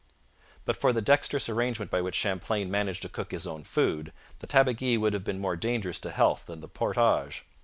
But for the dexterous arrangement by which Champlain managed to cook his own food, the tabagie would have been more dangerous to health than the portage.